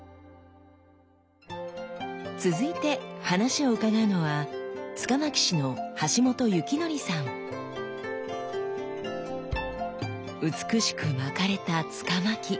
続いて話を伺うのは美しく巻かれた柄巻。